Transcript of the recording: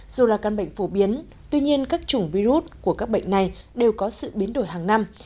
dù là căn bệnh phổ biến tuy nhiên các chủng virus của các bệnh này đều có sự biến đổi hàng năm